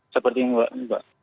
seperti ini mbak